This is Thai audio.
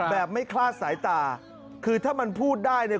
ไม่คลาดสายตาคือถ้ามันพูดได้เนี่ย